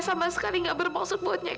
sampai jumpa di video selanjutnya